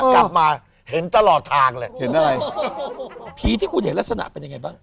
กลับมาเห็นตลอดทางแหละเห็นอะไรผีที่คุณเห็นลักษณะเป็นยังไงบ้าง